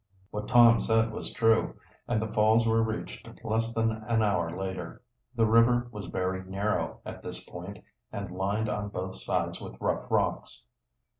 What Tom said was true, and the falls were reached less than an hour later. The river was very narrow at this point and lined on both sides with rough rocks.